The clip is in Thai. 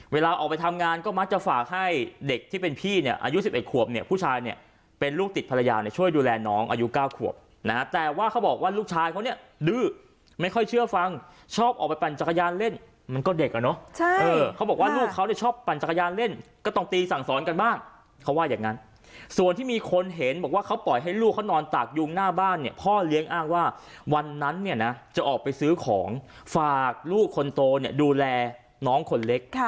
เวลาออกไปทำงานก็มักจะฝากให้เด็กที่เป็นพี่เนี้ยอายุสิบเอ็ดขวบเนี้ยผู้ชายเนี้ยเป็นลูกติดภรรยาเนี้ยช่วยดูแลน้องอายุเก้าขวบนะฮะแต่ว่าเขาบอกว่าลูกชายเขาเนี้ยดื้อไม่ค่อยเชื่อฟังชอบออกไปปั่นจักรยานเล่นมันก็เด็กอ่ะเนอะใช่เออเขาบอกว่าลูกเขาเนี้ยชอบปั่นจักรยานเล่นก็ต้องตีสั่งส